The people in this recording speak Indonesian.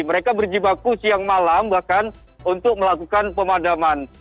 mereka berjibaku siang malam bahkan untuk melakukan pemadaman